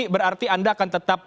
berarti anda akan tetap